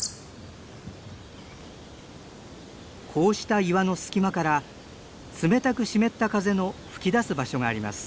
こうした岩の隙間から冷たく湿った風の噴き出す場所があります。